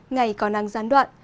ngày có năng gian đoạn